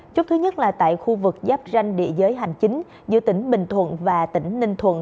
chút thứ nhất là tại khu vực giáp ranh địa giới hành chính giữa tỉnh bình thuận và tỉnh ninh thuận